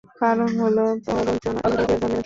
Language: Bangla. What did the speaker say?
কারণ হলো, প্রবঞ্চনা ইহুদীদের ধর্মের অংশ।